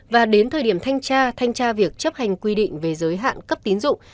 và đến thời điểm thanh tra thanh tra việc chấp hành quy định về giới hạn cấp tín dụng